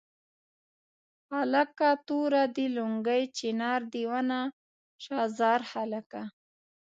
هلکه توره دې لونګۍ چنار دې ونه شاه زار هلکه.